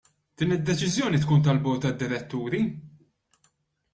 Din id-deċiżjoni tkun tal-bord tad-diretturi?